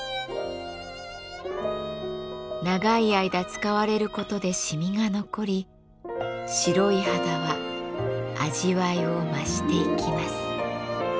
長い間使われる事で染みが残り白い肌は味わいを増していきます。